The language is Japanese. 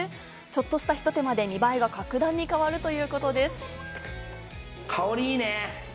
ちょっとしたひと手間で見栄えが格段に変わるということです。